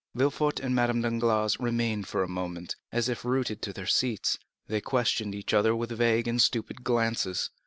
Villefort and Madame Danglars remained for a moment, as if rooted to their seats; they questioned each other with vague and stupid glances.